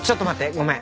ごめん。